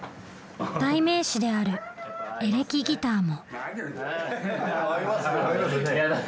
代名詞であるエレキギターも。